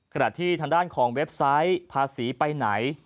ขณะที่ทางด้านของเว็บไซต์ภาษีไปไหน